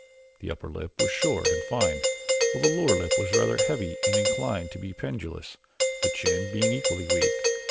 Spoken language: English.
The upper lip was short and fine while the lower lip was rather heavy and inclined to be pendulous, the chin being equally weak.